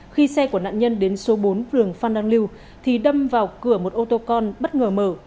khi xe của nạn nhân đến số bốn vườn phan đăng lưu thì đâm vào cửa một ô tô con bất ngờ mở